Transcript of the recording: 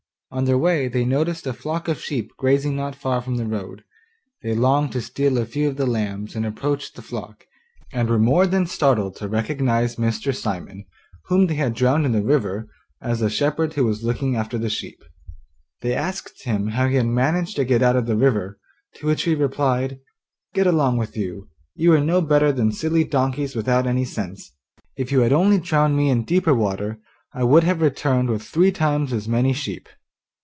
On their way they noticed a flock of sheep grazing not far from the road. They longed to steal a few of the lambs, and approached the flock, and were more than startled to recognise Mr. Simon, whom they had drowned in the river, as the shepherd who was looking after the sheep. They asked him how he had managed to get out of the river, to which he replied: 'Get along with you you are no better than silly donkeys without any sense; if you had only drowned me in deeper water I would have returned with three times as many sheep.